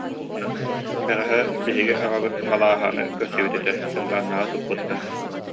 Бэҕэһээ биһиги аҕабыт Балааһаны көрсүбүт этэ, Уйбааннааҕы туппуттар